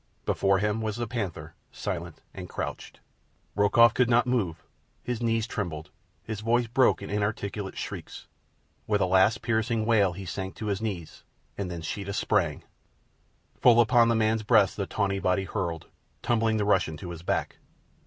Before him was the panther, silent and crouched. Rokoff could not move. His knees trembled. His voice broke in inarticulate shrieks. With a last piercing wail he sank to his knees—and then Sheeta sprang. Full upon the man's breast the tawny body hurtled, tumbling the Russian to his back.